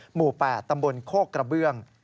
หมู่๘ตำบลโคกกระเบื้อง